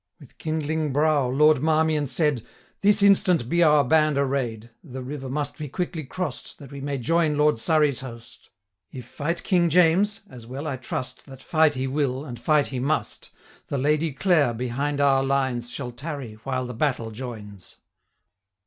With kindling brow Lord Marmion said, 'This instant be our band array'd; The river must be quickly cross'd, 640 That we may join Lord Surrey's host. If fight King James, as well I trust, That fight he will, and fight he must, The Lady Clare behind our lines Shall tarry, while the battle joins.'